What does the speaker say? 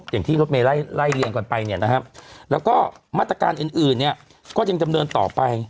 อย่างที่รถเมย์ไล่เรียงก่อนไปเนี่ยนะครับแล้วก็มาตรการอื่นเนี่ยก็ยังดำเนินต่อไป